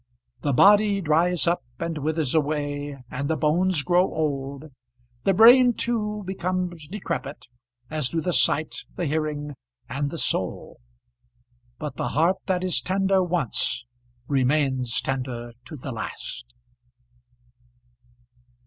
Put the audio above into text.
The body dries up and withers away, and the bones grow old; the brain, too, becomes decrepit, as do the sight, the hearing, and the soul. But the heart that is tender once remains tender to the last.